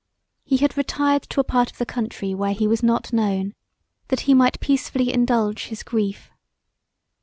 He had retired to a part of the country where he was not known that he might peacefully indulge his grief.